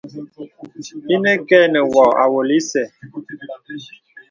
Ìnə kɛ nə wɔ̀ awɔlə ìsɛ.